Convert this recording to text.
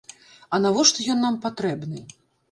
А навошта ён нам патрэбны?